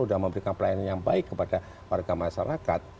sudah memberikan pelayanan yang baik kepada warga masyarakat